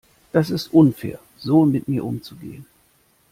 Das ist unfair so mit mir umzugehen.